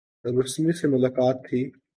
رسمی سی ملاقات تھی۔